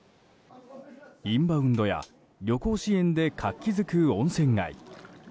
インバウンドや旅行支援で活気づく温泉街。